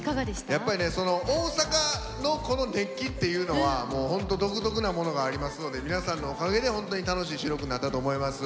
やっぱりねその大阪のこの熱気っていうのは本当独特なものがありますので皆さんのおかげで本当に楽しい収録になったと思います。